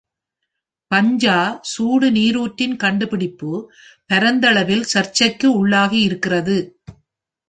பான்சா சுடு நீரூற்றின் கண்டுபிடிப்பு பரந்தளவில் சர்ச்சைக்கு உள்ளாகி இருக்கிறது.